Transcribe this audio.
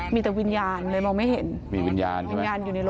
มีแต่วิญญาณเลยมองไม่เห็น